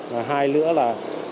và hai lữa là